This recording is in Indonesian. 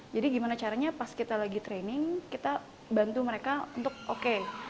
jadi gimana caranya pas kita lagi training kita bantu mereka untuk oke